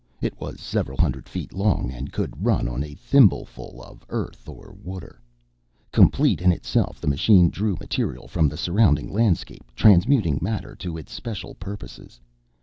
It was several hundred feet long and could run on a thimbleful of earth or water. Complete in itself, the machine drew material from the surrounding landscape, transmuting matter to its special purposes.